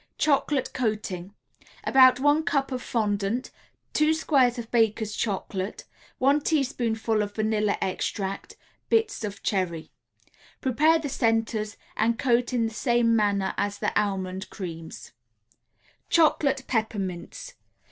CHOCOLATE COATING About one cup of fondant, 2 squares of Baker's Chocolate, 1 teaspoonful of vanilla extract, Bits of cherry. Prepare the centers and coat in the same manner as the almond creams. CHOCOLATE PEPPERMINTS [Illustration: CHOCOLATE PEPPERMINTS.